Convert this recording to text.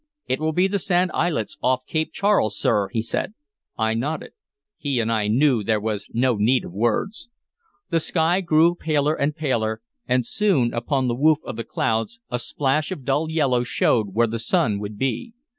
"It will be the sand islets off Cape Charles, sir," he said. I nodded. He and I knew there was no need of words. The sky grew paler and paler, and soon upon the woof of the clouds a splash of dull yellow showed where the sun would be.